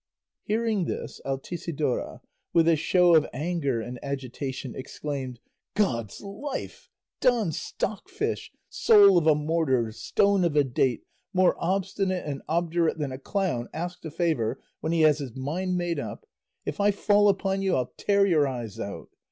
Hearing this, Altisidora, with a show of anger and agitation, exclaimed, "God's life! Don Stockfish, soul of a mortar, stone of a date, more obstinate and obdurate than a clown asked a favour when he has his mind made up, if I fall upon you I'll tear your eyes out!